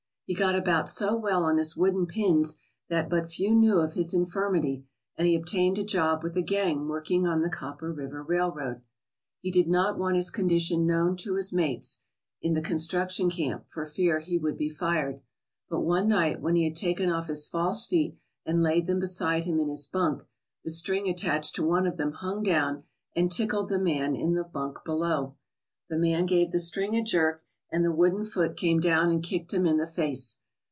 He got about so well on his wooden pins that but few knew of his infirmity, and he obtained a job with a gang working on the Copper River Railroad. He did not want his condition known to his mates in the 169 ALASKA OUR NORTHERN WONDERLAND construction camp for fear he would be fired. But one night, when he had taken off his false feet and laid them beside him in his bunk, the string attached to one of them hung down and tickled the man in the bunk below. The man gave the string a jerk and the wooden foot came down and kicked him in the face.